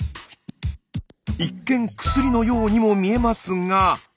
一見薬のようにも見えますが。